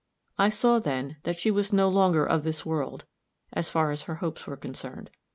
I saw, then, that she was no longer of this world, as far as her hopes were concerned.